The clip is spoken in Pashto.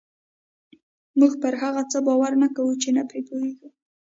موږ پر هغه څه باور نه کوو چې نه پرې پوهېږو.